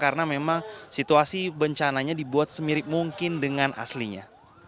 karena memang situasi bencananya dibuat semirip mungkin dengan aslinya